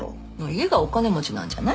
家がお金持ちなんじゃない？